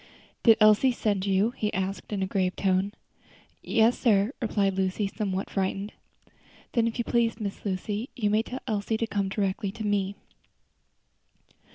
"Did Elsie send you?" he asked in a cold, grave tone. "Yes, sir," replied Lucy, somewhat frightened. "Then, if you please, Miss Lucy, you may tell Elsie to come directly to me."